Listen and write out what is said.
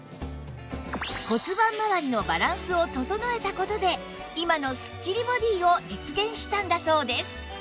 骨盤まわりのバランスを整えた事で今のスッキリボディーを実現したんだそうです